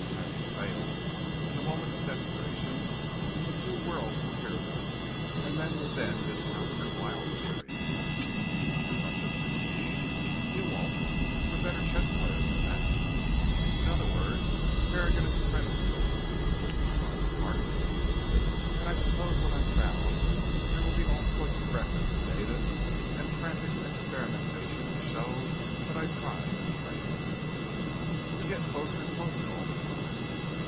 Having failed in the moment of desperation, the two worlds will hear about it, and men will then discount your wild theories." "And if I should succeed?" "You won't. We're better chess players than that." "In other words, Harrigan is a friend of yours." "That's part of it." "And I suppose when I'm found there will be all sorts of records and data and frantic experimentation to show that I tried and failed?" "You get closer and closer all the time."